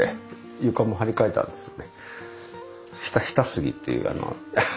床も張り替えたんですよね。